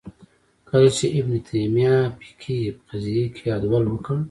کله چې ابن تیمیه فقهې قضیې کې عدول وکړ